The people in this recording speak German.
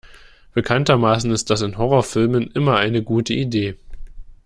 Bekanntermaßen ist das in Horrorfilmen immer eine gute Idee.